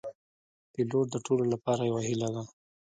پیلوټ د ټولو لپاره یو هیله ده.